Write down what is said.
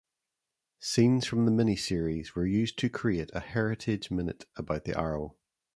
Scenes from the mini-series were used to create a Heritage Minute about the Arrow.